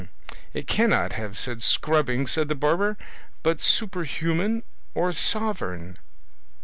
'" "It cannot have said 'scrubbing,'" said the barber, "but 'superhuman' or 'sovereign.